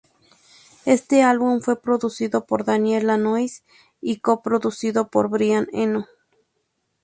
Éste álbum fue producido por Daniel Lanois y co-producido por Brian Eno.